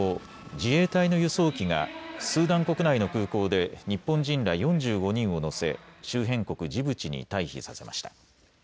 自衛隊の輸送機がスーダン国内の空港で日本人ら４５人を乗せ周辺国ジブチに退避させました。